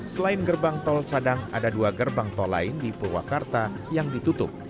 selain gerbang tol sadang ada dua gerbang tol lain di purwakarta yang ditutup